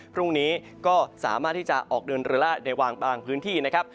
พรุ่งนี้ก็สามารถที่จะออกเดินเรือละในบางพื้นที่นะครับ